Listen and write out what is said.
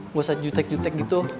nggak usah jutek jutek gitu